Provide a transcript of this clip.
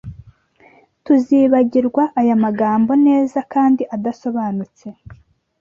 Tuzibagirwa aya magambo neza kandi adasobanutse